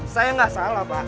saya gak salah pak